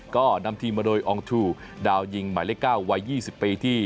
ก็นำทีมมาโดยอองทูดาวยิงหมายเลข๙วัย๒๐ปีที่